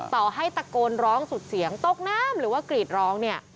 ต่อให้ตะโกนร้องสุดเสียงตกน้ำหรือว่ากรีดร้องเนี่ย